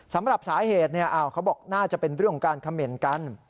สำหรับสาเหตุเขาบอกน่าจะเป็นเรื่องของการเขม่นกัน